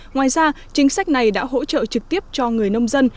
ngoài ra chính sách này đã hỗ trợ trực tiếp cho người nông dân